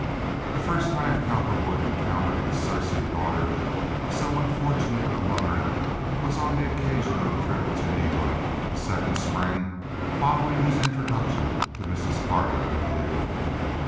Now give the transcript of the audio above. The first time Cowperwood encountered this Circe daughter of so unfortunate a mother was on the occasion of a trip to New York, the second spring following his introduction to Mrs. Carter in Louisville.